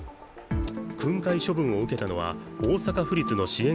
訓戒処分を受けたのは大阪府立の支援